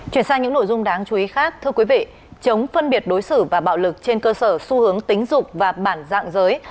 chuyển sang những nội dung đáng chú ý khác thưa quý vị chống phân biệt đối xử và bạo lực trên cơ sở xu hướng tính dục và bản dạng giới